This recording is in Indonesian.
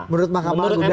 menurut makamah agung